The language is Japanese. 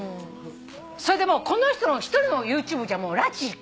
それでもうこの人の１人のＹｏｕＴｕｂｅじゃらち。